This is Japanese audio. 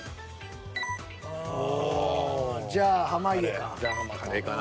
おお。じゃあ濱家か。